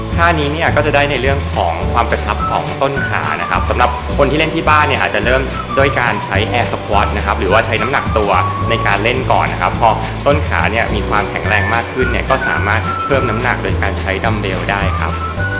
ท่านี้เนี่ยก็จะได้ในเรื่องของความกระชับของต้นขานะครับสำหรับคนที่เล่นที่บ้านเนี่ยอาจจะเริ่มด้วยการใช้แอร์สก๊อตนะครับหรือว่าใช้น้ำหนักตัวในการเล่นก่อนนะครับพอต้นขาเนี่ยมีความแข็งแรงมากขึ้นเนี่ยก็สามารถเพิ่มน้ำหนักโดยการใช้ดัมเบลได้ครับ